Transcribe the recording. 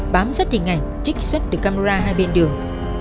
bám sát hình ảnh trích xuất từ camera hai bên đường